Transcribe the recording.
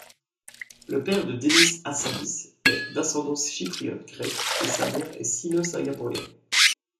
Le père de Demis Hassabis est d’ascendance chypriote grecque et sa mère est sino-singapourienne.